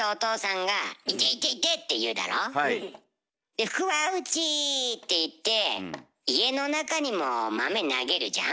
で「福は内！」って言って家の中にも豆投げるじゃん。